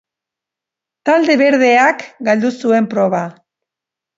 Talde berdeak galdu zuen proba.